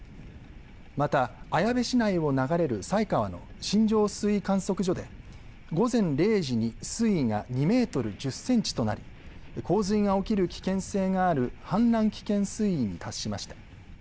また、綾部市内を流れる犀川の新庄水位観測所で午前０時に水位が２メートル１０センチとなり洪水が起きる危険性がある氾濫危険水位に達しました。